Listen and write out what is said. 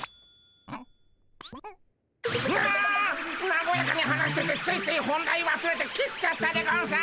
なごやかに話しててついつい本題わすれて切っちゃったでゴンス！